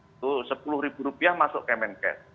itu rp sepuluh masuk kemenkes